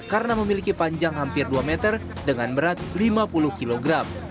karena memiliki panjang hampir dua meter dengan berat lima puluh kg